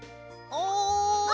おい！